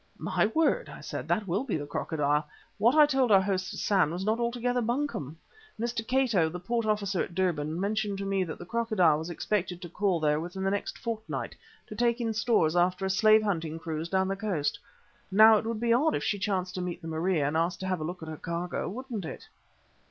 "My word!" I said, "that will be the Crocodile. What I told our host, Hassan, was not altogether bunkum. Mr. Cato, the port officer at Durban, mentioned to me that the Crocodile was expected to call there within the next fortnight to take in stores after a slave hunting cruise down the coast. Now it would be odd if she chanced to meet the Maria and asked to have a look at her cargo, wouldn't it?"